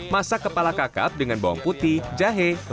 masak kepala kakap dengan bawang putih jahe laos kunyit dan kukus